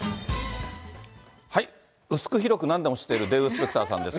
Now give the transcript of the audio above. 薄く広くなんでも知っているデーブ・スペクターさんです。